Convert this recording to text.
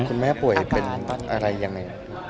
คุณแม่ป่วยเป็นอะไรยังไง